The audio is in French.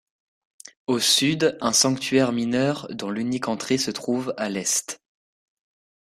Au sud un sanctuaire mineur dont l'unique entrée se trouve à l'est.